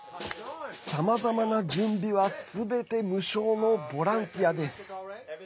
さまざまな準備はすべて無償のボランティアです。